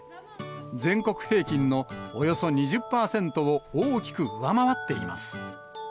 全国平均のおよそ２０％を大きく上回っています。